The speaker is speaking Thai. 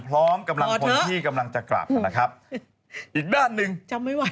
พร้อมกำลังพลที่กำลังจะกลับนะครับอีกด้านหนึ่งจำไม่ไหว